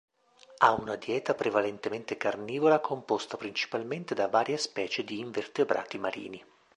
Ha una dieta prevalentemente carnivora composta principalmente da varie specie di invertebrati marini.